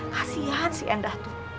kasian si endah tuh